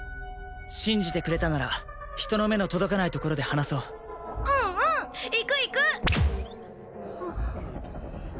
信じてくれたなら人の目の届かないところで話そううんうん行く行く！